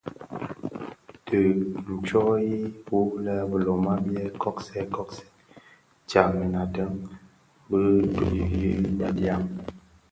Dhi ntsoyi wu lè biloma biè kobsèn kobsèn tyamèn deň bi duň yi bëdiaň.